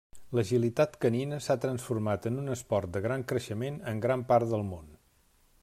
L'agilitat canina s'ha transformat en un esport de gran creixement en gran part del món.